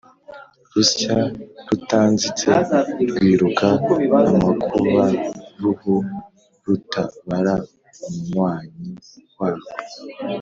rusya rutanzitse rwiruka amakubaruhu rutabara umunywanyi warwo